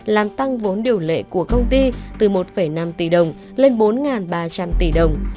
làm tăng vốn điều lệ của công ty từ một năm tỷ đồng lên bốn ba trăm linh tỷ đồng